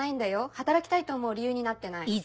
働きたいと思う理由になってない。